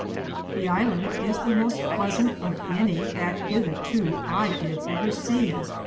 This Hand is the moste pleasante of any that hetherto I did ever see.